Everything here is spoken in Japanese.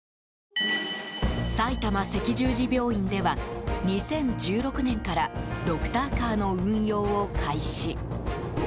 さいたま赤十字病院では２０１６年からドクターカーの運用を開始。